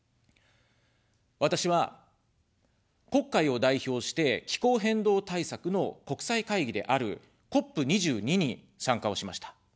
私は、国会を代表して、気候変動対策の国際会議であるＣＯＰ２２に参加をしました。